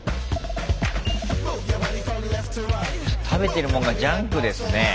食べてるもんがジャンクですね